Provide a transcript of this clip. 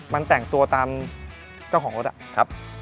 มันแต่งตัวตามเก้าของรถ